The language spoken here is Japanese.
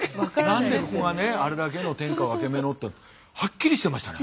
何でここがねあれだけの天下ワケメのってはっきりしてましたね。